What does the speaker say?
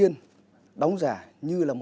sao vậy em